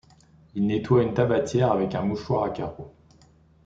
Il nettoie une tabatière avec un mouchoir à carreau.